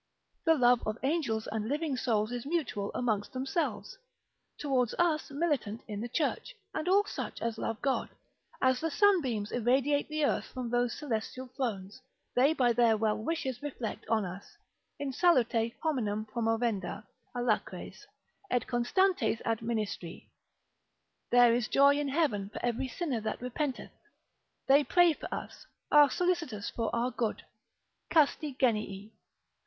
The love of angels and living souls is mutual amongst themselves, towards us militant in the church, and all such as love God; as the sunbeams irradiate the earth from those celestial thrones, they by their well wishes reflect on us, in salute hominum promovenda alacres, et constantes administri, there is joy in heaven for every sinner that repenteth; they pray for us, are solicitous for our good, Casti genii.